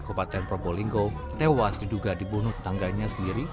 kabupaten propolinggo tewas diduga dibunuh tangganya sendiri